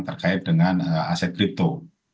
terkait dengan aset kripto